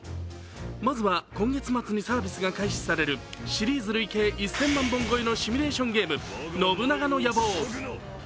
まずは今月末にサービスが開始されるシリーズ累計１０００万本超えのシミュレーションゲーム、「信長の野望」。